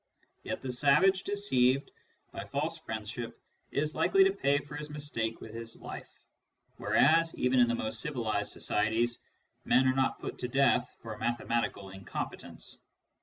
Yet the savage deceived by false friendship is likely to pay for his mistake with his life ; whereas even in the most civilised societies men are not put to death for mathematical incompetence.